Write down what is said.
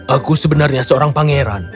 aku sebenarnya seorang pangeran